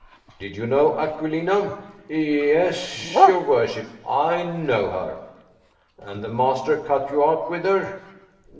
" Did you know Aquilina ?"" Yes, your worship, I know her." "And the master cut you out with her?"